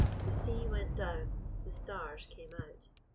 The sea went down. The stars came out.